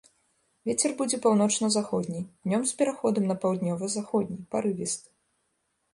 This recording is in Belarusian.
Вецер будзе паўночна-заходні, днём з пераходам на паўднёва-заходні, парывісты.